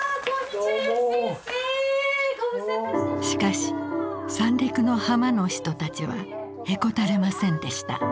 しかし三陸の浜の人たちはへこたれませんでした。